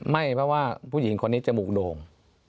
ไม่เพราะว่าผู้หญิงคนนี้จมูกโด่ง